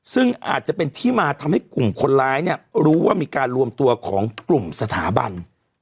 ซึ่งอาจจะเป็นที่มาทำให้กลุ่มคนร้ายเนี่ยรู้ว่ามีการรวมตัวของกลุ่มสถาบัน